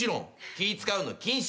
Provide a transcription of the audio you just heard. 気使うの禁止。